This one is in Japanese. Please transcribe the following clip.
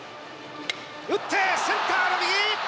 打ってセンターの右！